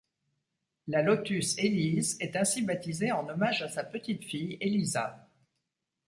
La Lotus Elise est ainsi baptisée en hommage à sa petite-fille, Elisa.